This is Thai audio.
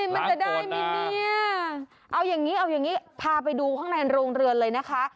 มันจะได้ไหมเนี่ยเอาอย่างนี้เอาอย่างนี้พาไปดูข้างในโรงเรือนเลยนะคะ